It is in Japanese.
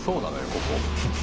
ここ。